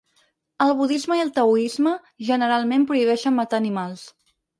El budisme i el taoisme, generalment prohibeixen matar animals.